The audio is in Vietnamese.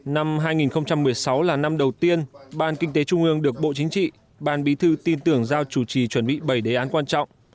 năm hai nghìn một mươi sáu là năm đầu tiên ban kinh tế trung ương được bộ chính trị ban bí thư tin tưởng giao chủ trì chuẩn bị bảy đề án quan trọng